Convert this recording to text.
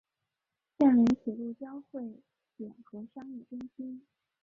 现为铁路交会点和商业中心。